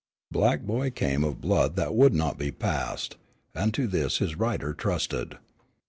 Black Boy came of blood that would not be passed, and to this his rider trusted.